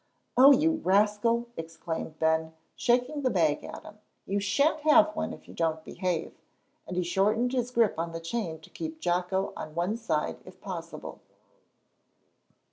"Oh, you rascal!" exclaimed Ben, shaking the bag at him, "you shan't have one if you don't behave," and he shortened his grip on the chain to keep Jocko on one side if possible.